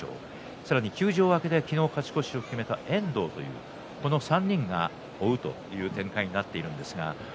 さらに休場明けで昨日勝ち越しを決めた遠藤この３人が追うという展開になっています。